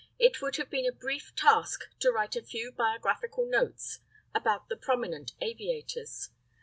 On January 1, 1909, it would have been a brief task to write a few biographical notes about the "prominent" aviators.